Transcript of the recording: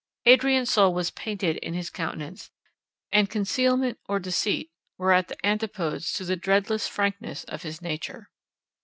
Adrian's soul was painted in his countenance, and concealment or deceit were at the antipodes to the dreadless frankness of his nature.